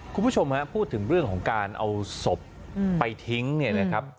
คุณผู้ชมฮะพูดถึงเรื่องของการเอาศพไปทิ้งเนี่ยนะครับ